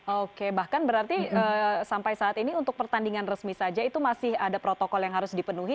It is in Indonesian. oke bahkan berarti sampai saat ini untuk pertandingan resmi saja itu masih ada protokol yang harus dipenuhi